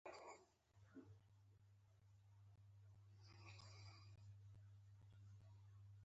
اسلامي تحریک، اسلامي شریعت، عدالت او هویت د کاروبار وسیله شول.